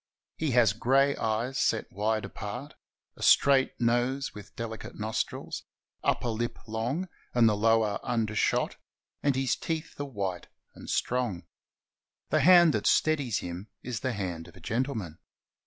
He has gray eyes set wide apart, a straight nose with deUcate nostrils, upper lip long and the lower undershot, and his teeth are white and strong. The hand that steadies him is the hand of a gentleman.